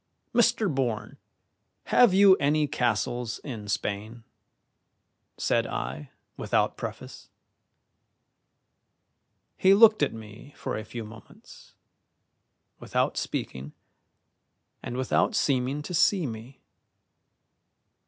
"Mr. Bourne, have you any castles in Spain?" said I, without preface. He looked at me for a few moments, without speaking and without seeming to see me.